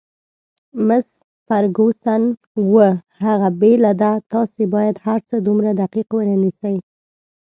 مس فرګوسن: اوه، هغه بېله ده، تاسي باید هرڅه دومره دقیق ونه نیسئ.